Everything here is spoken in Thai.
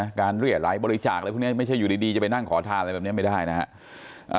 การเรียกไร้บริจาคอะไรพวกนี้ไม่ใช่อยู่ดีจะไปนั่งขอทานอะไรแบบนี้ไม่ได้นะฮะ